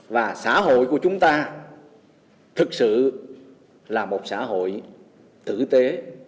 và xã hội của chúng ta thực sự là một xã hội tử tế